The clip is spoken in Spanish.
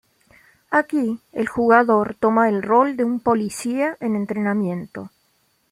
Aquí, el jugador toma el rol de un policía en entrenamiento.